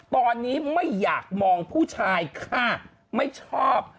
ตอนนี้ไม่อยากมองผู้ชายค่ะไม่ชอบ